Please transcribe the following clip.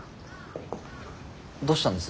どうしたんです？